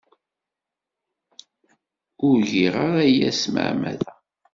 Ur giɣ ara aya s tmeɛmada.